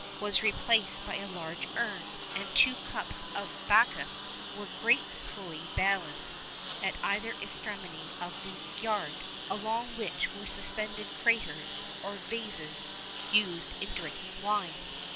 _] was replaced by a large urn, and two cups of Bacchus were gracefully balanced at either extremity of the yard,[XXXI 18] along which were suspended craters, or vases, used in drinking wine.